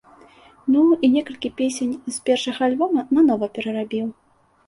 Ну, і некалькі песень з першага альбома нанова перарабіў.